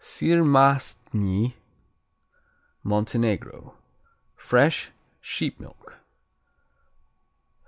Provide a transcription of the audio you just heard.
Sir Mastny Montenegro Fresh sheep milk.